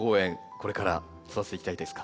これから育てていきたいですか？